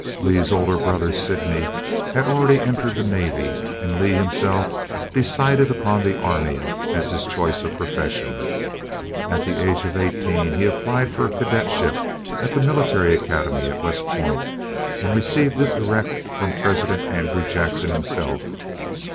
Lee's older brother, Sydney, had already entered the navy, and Lee himself decided upon the army, as his choice of profession. At the age of eighteen he applied for a cadetship at the Military Academy at West Point, and received it direct from President Andrew Jackson himself.